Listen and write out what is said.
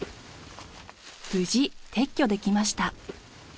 無事撤去できました。